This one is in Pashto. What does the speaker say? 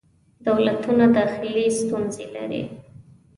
دولتونه داخلې ستونزې لري.